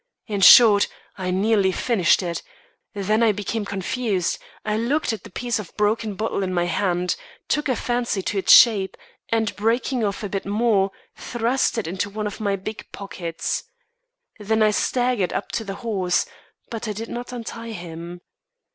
In short, I nearly finished it; then I became confused; I looked at the piece of broken bottle in my hand, took a fancy to its shape, and breaking off a bit more, thrust it into one of my big pockets. Then I staggered up to the horse; but I did not untie him.